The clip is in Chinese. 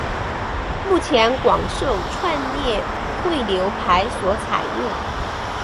目前广受串列汇流排所采用。